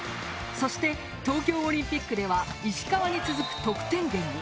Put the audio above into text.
そして東京オリンピックでは石川に続く得点源に。